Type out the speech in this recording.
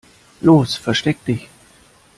Los, versteck dich!